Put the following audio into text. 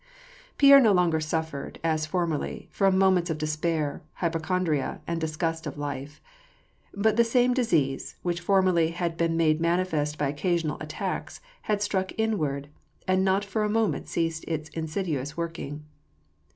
Pierre no longer suffered, as formerly, from moments of despair, hypochondria, and disgust of life ; but the same disease, which formerly had been made manifest by occasional attacks, had struck inward, and not for a moment ceased its insidious working.